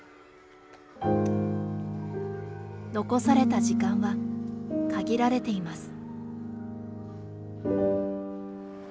残された時間は限られています。